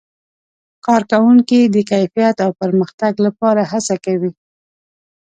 کارکوونکي د کیفیت او پرمختګ لپاره هڅه کوي.